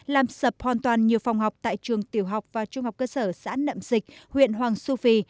làm sập hoàn toàn nhiều phòng học tại trường tiểu học và trung học cơ sở xã nậm dịch huyện hoàng su phi